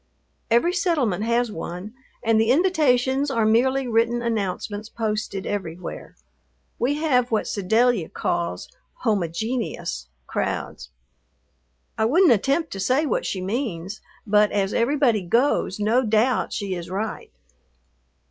Every settlement has one and the invitations are merely written announcements posted everywhere. We have what Sedalia calls "homogenous" crowds. I wouldn't attempt to say what she means, but as everybody goes no doubt she is right.